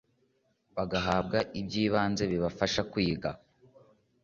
bagahabwa iby’ibanze bibafasha kwiga